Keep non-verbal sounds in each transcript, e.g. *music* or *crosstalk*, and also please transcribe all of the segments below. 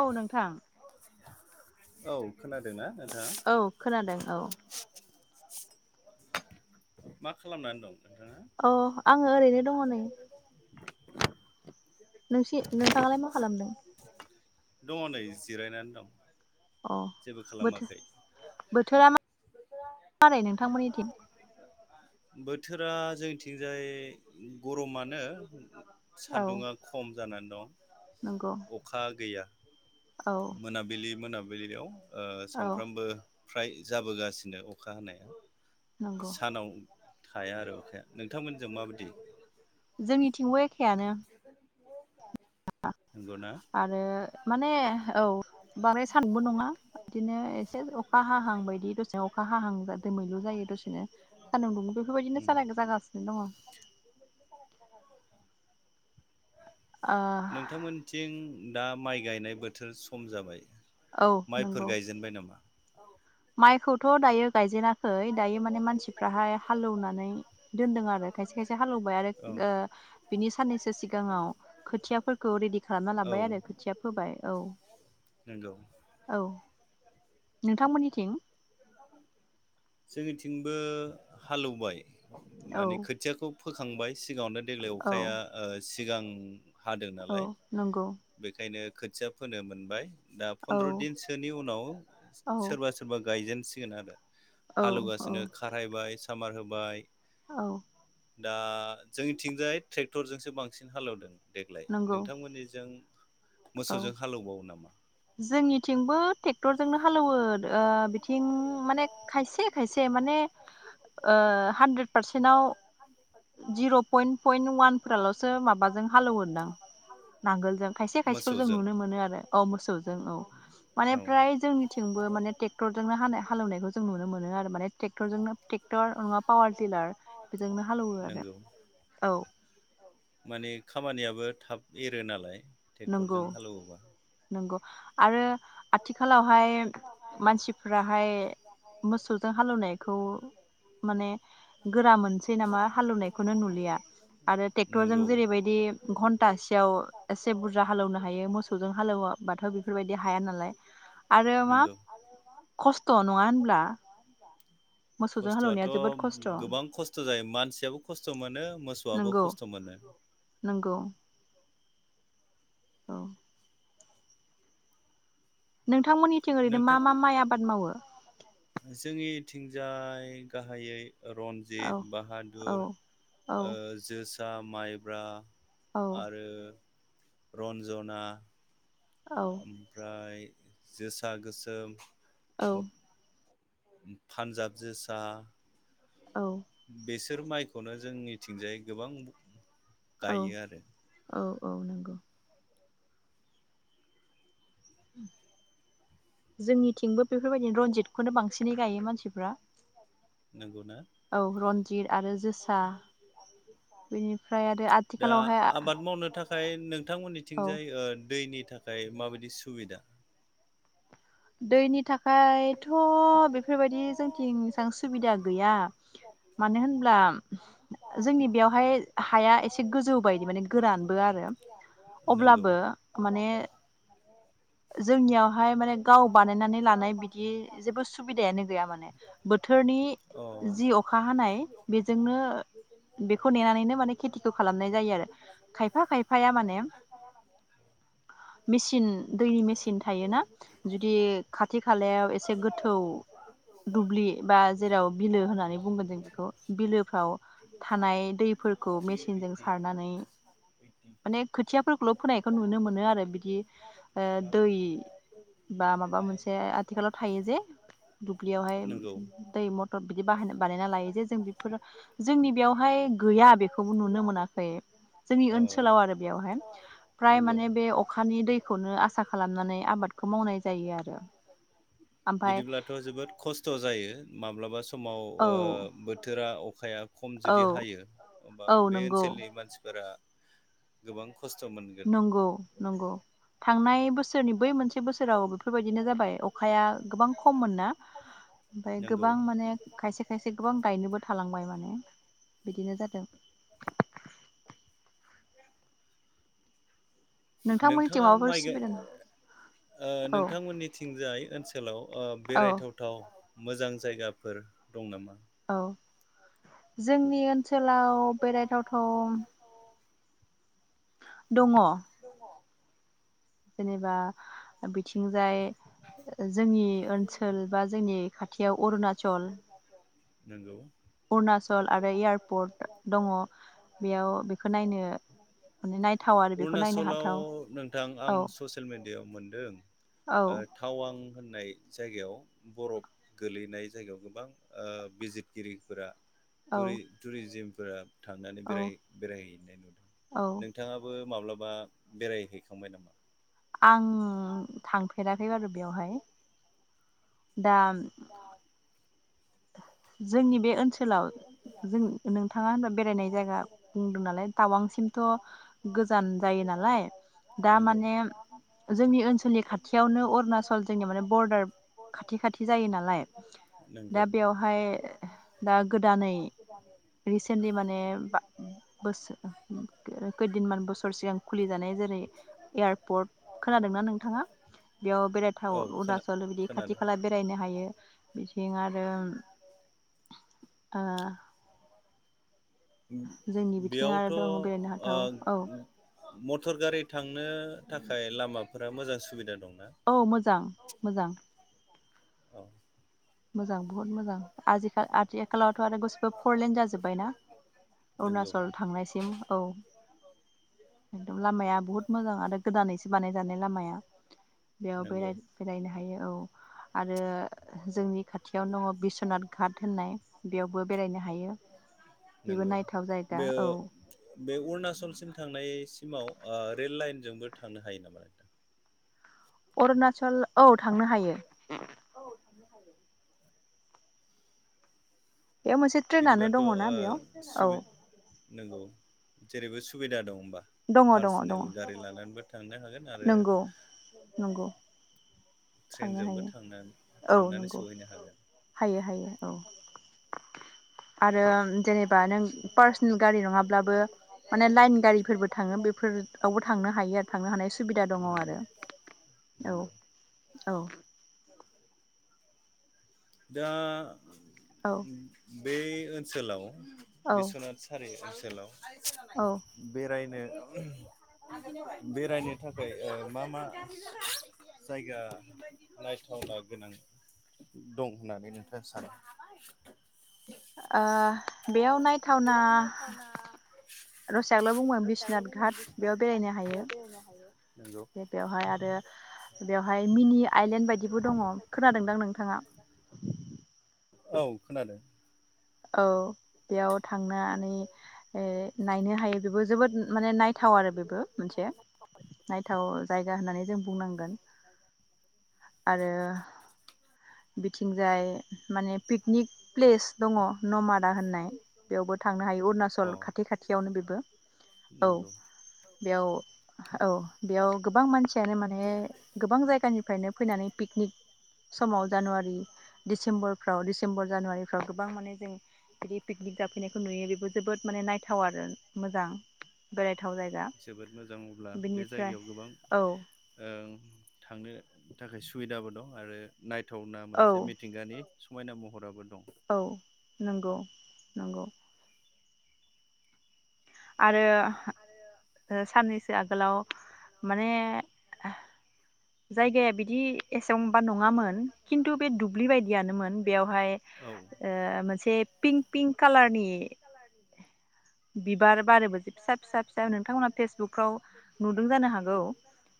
औ नोंथां। औ खोनादोंना नोंथाङा? औ खोनादों औ मा खालामनानै दं? नोंथाङा अ आङो ओरैनो दङ नै नोंसि नोंथाङालाय मा खालामदों? दङ नै। अ जेबो बोथो खालामाखै बोथोरा मारै नोंथांमोननि थिं? बोथोरा जोंनिथिंजाय गरमानो। औ सान्दुङा खम जानानै नंगौ दङ अखा गैया। औ मोनाबिलि मोनाबि बेदियाव ओ औ सानफ्रामबो फ्राय जाबोगासिनो अखा हानाया। नंगौ सानाव थाया आरो अखाया नोंथांमोननिजा माबादि? जोंनिथिंबो एख खेयानो नंगौना आरो माने औ बांद्राय सानबो नङा बिदिनो एसे अखा हाहां बायदि दसेनो अखा हाहां दोमैलु जायो दसेनो सान्दुं बेफोरबायदिनो उम सालाय जागासिनो दङ। नोंथांमोनथिं दा माइ गायनाय बोथोर सम जाबाय। औ नंगौ माइफोर गायजेनबाय नामा? माइखौथ दायो गायजेना ओइ दायो माने मानसिफ्राहाय हालेवनानै दोनदों आरो खायसे खायसे हालौबाय आरो औ ओ बिनि साननैसो सिगाङाव खोथियाफोरखौ रेडि खालामना लाबाय औ आरो खोथिया फोबाय औ नंगौ औ। नोंथांमोननिथिं जोंनिथिंबो हालौबाय औ माने खोथियाखौ फोखांबाय सिगाङावनो देग्लाय औ अखाया ओ सिगां हादों औ नालाय नंगौ बेखायनो खोथिया फोनो मोनबाय। दा औ फन्द्र दिनसोनि उनाव औ सोरबा सोरबा गायजेन सिगोन आरो औ औ हालौगासिनो खारहायबाय सामार होबाय औ दा जोंनिथिंजाय ट्रेक्टरजोंसो बांसिन हालौवदों। देग्लाय नंगौ नोंथांमोननिजों औ मोसौजों हालौबावो नामा? जोंनिथिंबो टेक क्टरजोंनो हालौवो ओ बिथिं माने खायसे खायसे माने ओ हानद्रेद पारसेनाव जिर' पयन्ट पयन्ट वानफोरालसो माबाजों हालौवोदां नांगोलजों खायसे खायसेखौ जों मोसौजों नुनो मोनो आरो औ मोसौजों औ माने औ फ्राय थिंबो माने टेक्टरजोंनो हानाय हालौनायखौ जों नुनो मोनो आरो माने टेक्टरनो टेक्टर नङाबा पावार टिलार बेजोंनो हालौवो आरो नंगौ औ माने खामानियाबो थाब एरो नालाय नंगौ ट्रेक्टरजों हालेवोबा नंगौ आरो आथिखालावहाय फ्राय मानसिफोराहाय मोसौजों हालौनायखौ माने गोरा मोनसै नामा हालौनायखौनो नुलिया आरो टेक्टरजों नोंगौ जेरैबादि घन्टासेयाव बुरजा हालौनो हायो मोसौजों हालौवाबाथ बेफोरबायदि हाया नालाय आरो आरो मा नोंगौ खस्थ नङा होनब्ला? मोसौजों हालेवनाया खस्थआथ जोबोद खस्थ' गोबां खस्थ जायो मानसियाबो खस्थ मोनो मोसौआबो नंगौ खस्थ मोनो। नंगौ औ। नों नोंथांमोननिथिं ओरैनो नोंथां मा मा माइ आबाद मावो? थिंजाय गाहायै औ रनजित औ बाहादुर औ ओ जो सा माइब्रा औ आरो रन्जना औ ओमफ्राय जोसा गोसोम औ। पान्जाब जोसा औ बेसे बिसोर माइखौनो जोंनिथिंजाय गोबां औ गायो आरो। औ औ नंगौ। जोंनिथिंबो बेफोरबायदिनो रनजितखौनो बांसिन बांसिनै गायो मानसिफ्रा नंगौना औ रन्जि गिदिर आरो जोसा बेनिफ्राय आरो दा आथिखालावहाय आबाद मावनो थाखाय नों औ नोंथांमोननिथिंजाय ओ दैनि नि थाखाय माबायदि सुबिदा? दैनि था थाखायथ बेफोरबायदि जोंनिथिं एसेबां सुबिदा गैया मानो होनब्ला जोंनि बेयावहाय हाया एसे गोजौ बायदि माने गोरानबो आरो नंगौ अब्लाबो माने जोंनियावहाय माने गाव बानायनानै लानाय बिद बि जेबो सुबिदायानो गैया माने बोथोरनि अ जि अखा हानाय बेजोंनो बेखौ नेनानैनो माने खेथिखौ खालामनाय जायो आरो खायफा खायफाया माने मेसिन दैनि मेसिन थायोना जुदि खाथि खालायाव एसे गोथौ दुब्लि बा जेराव बिलो होननानै बुंगोन जों बेखौ बिलोफ्राव थानाय दैफोरखौ मेसिनजों सारनानै माने खोथियाफोरखौल' फोनायखौ नुनो मोनो आरो बिदि ओ दै बा माबा मोनसे आथिखालाव थायो जे दुब्लियावहाय नंगौ दै मथर बिदि बाहाय बानायना लायो जे जों बेफोरो जोंनि बेयावहाय गैया बेखौबो नुनो मोनाखै जोंनि औ ओनसोलाव आरो बेयावहाय फ्राय नंगौ माने बे अखानि दैखौनो आसा खालामनानै आबादखौ मावनाय जायो आरो ओमफाय बिदिब्लाथ जोबोद खस्थ जायो माब्लाबा स समाव औ ओ बोथोरा अ खाया खम औ जुदि हायो होनबा औ बे नंगौ ओनसोलनि मानसिफोरा गोबां खस्थ' मोनगोन नंगौ नंगौ थांनाय बो बोसोरनि बै मोनसे बोसोराव बेफोरबायदिनो जाबाय अखाया गोबां खममोन ना ओमफ्राय नंगौ गोबां माने खायसे खायसे गोबां गायनोबो थालांबाय माने बिदिनो जादों नोंथांमोननिथिं नोंथाङा माबाफोर माइ गाय सुबिदा न ओ औ नोंथांमोननिथिंजाय ओनसोलाव ओ औ बेरायथावथाव मोजां जायगाफोर दं नामा? औ जोंनि ओन ओनसोलाव बेरायथावथाव दङ। जेनेबा बिद बिथिंजाय जोंनि ओनसोल बा जोंनि खाथियाव अरुणाचल नोंगौ अरुणाचल आरो एयारपर्ट दङ बेयाव बेखौ नायनो माने नायथाव आरो *unintelligible* बेखौ नायनो अरुणाचलाव हाथाव नोंथां आं औ ससियेल मेडियायाव मोनदों। औ ओ थावा वां होननाय जायगायाव बरफ गोलैनाय जायगायाव गोबां ओ बिजिरगिरिफोरा औ टुरि टुरिजिम फोरा थांनानै औ बेरायहै बेरायहैनाय नुदों औ नोंथाङाबो माब्लाब बा बेरायहैखांबाय नामा? आं थांफेरा *unintelligible* बेवहाय दा जोंनि बे ओनसोलाव जों नोंथाङा होनबा बेरायनाय जायगा बुंदों नालाय टावांसिमथ गोजान जायो नालाय दा नोंगौ माने जोंनि ओनसोलनि खाथियावनो अरुणचल जोंनि माने बरदार खाथि खाथि जायो नालाय नंगौ दा बेवहाय दाग गोदानै रिसेन्टलि माने बा बोसो खो खैदिनमान बोसोर सिगां खुलि जानाय जेरै एयारपर्ट खोनादोंना नोंथाङा बेयाव बेरायथाव औ खोना अरुनााचल बिदि खाथि खोनादों खाला बेरायनो हायो बिथिं आर *unintelligible* आ जोंनि बिथिं आरो बेयावथ' दं बेरायनो हाथाव औ। मथर गारि थांनो थाखाय लामाफोरा मोजां सुबिदा दं। औ मोजां मोजां। अ मोजां बहुत मोजां आजिखा आथि *unintelligible* थ आरो गासिबो फरलेन जाजोब्बायना नंगौ अरुणाचल थांनायसिम। औ। एकदम लामाया बहुत मोजां आरो गोदानैसो बानायजानाय लामाया। बेयाव बेराय नंगौ बेरायनो हायो। औ आरो जोंनि खाथियावनो दङ' बिस्वनाथ घाट होननाय बेयावबो हायो बेबो नंगौ नायथाव जायगा। बे औ। बे अरुणाचलसिम थांनायसिमाव ओ रेल लाइनजोंबो थांनो हायो नामा नोंथां? अरुना सल औ थांनो हायो। थांनो हायो बेयाव मोनसे ट्रेनानो बिदिबाथ' ओ दङ'ना बेयाव सुबि औ। नंगौ जेरैबो सुबिदा दं। *unintelligible* दङ दङ दङ फारसनेल गारि लानानैबो थांनो हागोन। आरो नंगौ नंगौ थांनो ट्रेनजोंबो थांनानै हायो औ थांनानै नंगौ सहैनो हागोन हायो हायो औ। आरो जेनेबा आरो नों जेनेबा पार्सनेल नों गारि पार्सनेल नङाब्लाबो गारि माने लाइन नङाब्लाबो माने गारिफोरबो लाइन थाङो बेफोरावबो थांनो हायो आरो गारिफोरबो थांनो हानाय हायो सुबिदा दङ नंगौ आरो बेफोरावबो थांनो हायो आरो औ नंगौ। औ दा औ *inaudible* बे ओनसोलाव औ बिस्वनाथ सारि *unintelligible* औ बेरायनो बेरायनो थाखाय ओ मा मा जायगा नायथावना गोनां दं होननानै नोंथाङा सानो? ओ बेयाव नायथावना *unintelligible* बिश्वनाथ घाट बेयाव बेरायनो हायो। नंगौ बेवहाय आरो बेवहाय मिनि आइलेण्ड बायदिबो दङ'। खोनादोंदां नोंथाङा? औ खोनादो। औ बेयाव थांनानै ओ नायनो हायो बेबो जोबोद माने नायथाव आरो बेबो मोनसे नायथाव जायगा होननानै जों बुंनांगोन आरो बिथिंजाय माने पिकनिक प्लेस दङ' नमादा होननाय बेयावबो थांनो हायो अुरुणाच अ बे खाथियावनो बेबो औ नंगौ बेयाव औ बेयाव गोबां मानसियानो माने गोबां जायगानिफ्रायनो फैनानै पिकनिक समाव जानुवारि डिसेम्बरफ्राव डिसेम्बर जानुवारिफ्राव गोबां माने जों बिदि पिकनिक जाफैनायखौ नुयो बेबो जोबोद नायथाव आरो मोजां बेरायथाव जायगा जोबोद मोजां अब्ला बे बेनिफ्राय जायगायाव गोबां औ ओ थांनो थाखाय सुबिदाबो दं आरो नाय थावना औ मोनसे मिथिंगानि समायना महराबो दं। औ नंगौ नंगौ आरो ओ साननैसो आगोलाव माने जायगाया बिदि एसेबां बा नङामोन खिनथु बे दुब्लि बायदियानोमोन बेयावहाय औ ओ मोनसे पिंक पिंक कालारनि बिबार बारोबो जि फिसा फिसा फिसा नोंथांमोनहा फेसबुकफ्राव नुदों जानो हागौ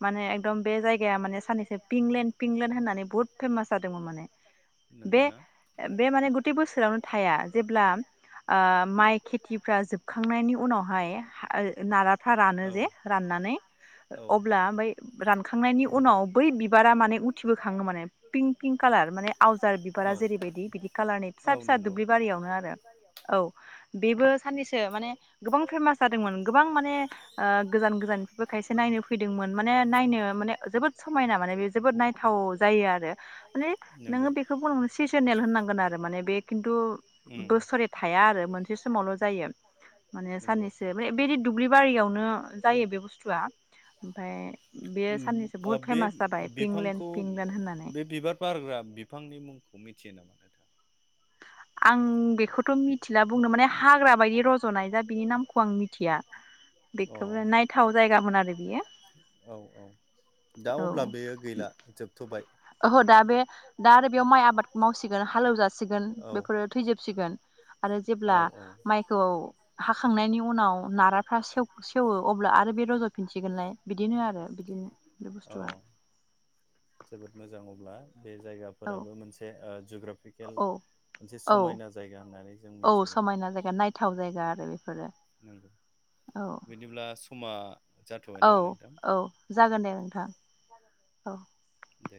माने एकदम बे जायगाया माने साननैसो पिंक लेण्ड पिंकलेण्ड होननानै बुहुत फेमास जादोंमोन माने बे नंगौना बे माने गताइ बोसोरावनो थाया जेब्ला ओ माइ खेथिफ्रा जोब खांनायनि उनावहाय ओ नाराफ्रा रानो औ जे राननानै औ अब्ला बै रानखांनायनि उनाव बै बिबार उथिबो खाङो माने पिंक पिंक कालार माने आवजार बिबारा औ जेरैबायदि बिदि कालारनि फिसा औ फिसा नंगौ दुब्लि बारियावनो आरो औ बेबो साननैसो माने गोबां फेमास जादोंमोन गोबां माने ओ गोजान गोजाननिफ्रायबो खायसे नायनो फैदोंमोन माने नायनो माने जोबोद समायना माने बे नायथाव जायो आरो माने नंगौ नोङो बेखौ बुंनांगोन सेसनेल होननांगोन आरो माने बे खिन्थु उम बोसोरे थाया आरो मोनसे समावल जायो। माने नंगौ साननैसो बेदि दुब्लि बारियावनो जायो बे बुस्थुआ ओमफ्राय बेयो उम, साननैसो बुहुत ओ बे फेमास जाबाय पिंलेण्ड बिफांखौ पिंलेण्ड होननानै बे बिबार बारग्रा बिफांनि मुंखौ मि थियो नामा नोंथांहा? आं बेखौथ मिथिला बुंनो माने हाग्रा बायदि रज'नाय जा बिनि नामखौ आं मिथिया अ बेखौबो नायथाव जायगामोन आरो बियो औ औ दा औ अब्ला बेयो गैला? जोबथबाय ओहो दा बे दा आरो बेयाव माइ आबाद मावसिगोन हालौ जासि सिगोन औ बेफोरो थैजोबसिगोन आरो जेब्ला औ औ माइखौ हाखांनायनि उनाव नाराफ्रा सेव-सेवो अब्ला आरो बे रज फिनसिगोनलाय बिदिनो आरो बिदिनो बे औ बुस्थुआ। जोबोद मोजां अब्ला बे औ जायगाफोराबो मोनसे ओ जुग्राफिकेल औ मोनसे औ समायना जायगा होननानै जों औ मिथिगोन समायना जायगा नायथाव जायगा आर बिफोरो नोंगो बिदिब्ला खमा औ औ जागोन दे नोंथां औ। दे